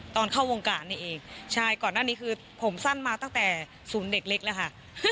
ตอนเข้าวงการนี่เองใช่ก่อนหน้านี้คือผมสั้นมาตั้งแต่ศูนย์เด็กเล็กแล้วค่ะ